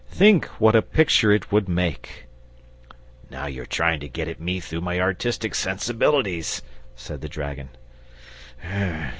Think what a picture it would make!" "Now you're trying to get at me through my artistic sensibilities," said the dragon.